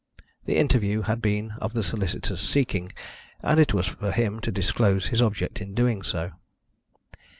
The interview had been of the solicitor's seeking, and it was for him to disclose his object in doing so.